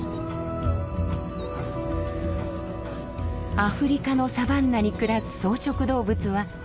アフリカのサバンナに暮らす草食動物は７０種以上。